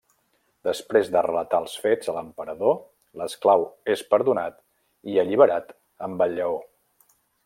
Després de relatar els fets a l'emperador, l'esclau és perdonat i alliberat amb el lleó.